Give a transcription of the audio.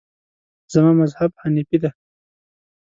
زما مذهب حنیفي دی.